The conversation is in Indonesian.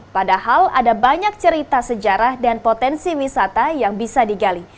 padahal ada banyak cerita sejarah dan potensi wisata yang bisa digali